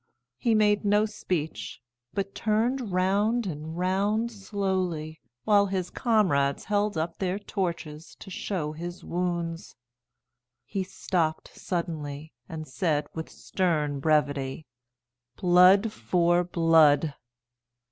He made no speech, but turned round and round slowly, while his comrades held up their torches to show his wounds. He stopped suddenly, and said, with stern brevity, "Blood for blood."